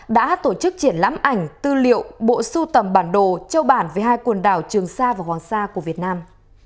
đã tổ chức triển lãm ảnh tư liệu bộ sưu tầm bản đồ châu bản về hai quần đảo trường sa và hoàng sa của việt nam